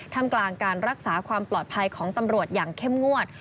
ทำกลางการรักษาความปลอดภัยของตำรวจอย่างเข้มงวด